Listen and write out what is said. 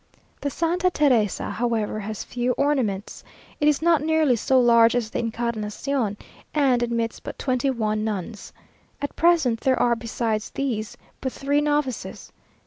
The Santa Teresa, however, has few ornaments. It is not nearly so large as the Encarnación, and admits but twenty one nuns. At present there are, besides these, but three novices.